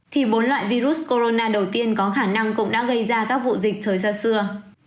thì bốn loại virus corona đầu tiên có khả năng cũng đã gây ra các vụ dịch thời gian xưa